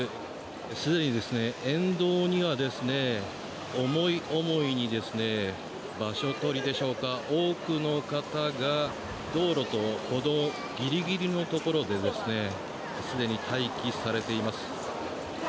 すでに沿道には思い思いに、場所取りでしょうか多くの方が道路と歩道ギリギリのところですでに待機されています。